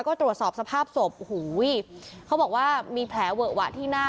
ก็ตรวจสอบสภาพศพโอ้โหเขาบอกว่ามีแผลเวอะหวะที่หน้า